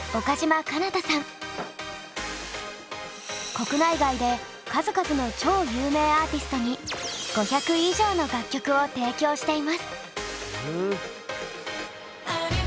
国内外で数々の超有名アーティストに５００以上の楽曲を提供しています。